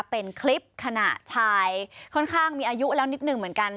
เป็นคลิปขณะชายค่อนข้างมีอายุแล้วนิดหนึ่งเหมือนกัน